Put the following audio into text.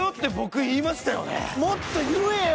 もっと言えよ！